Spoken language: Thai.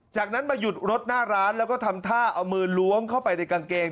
จากนั้นมาหยุดรถหน้าร้านแล้วก็ทำท่าเอามือล้วงเข้าไปในกางเกง